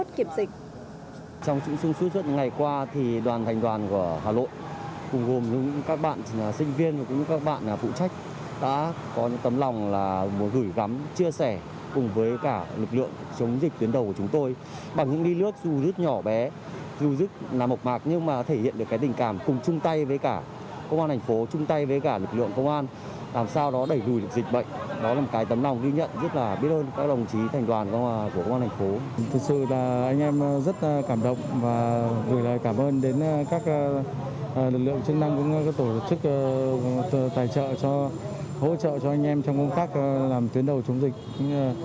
thực sự là anh em rất cảm động và gửi lời cảm ơn đến các lực lượng chức năng các tổ chức tài trợ hỗ trợ cho anh em trong công tác làm tuyến đầu chống dịch